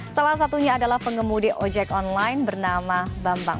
salah satunya adalah pengemudi ojek online bernama bambang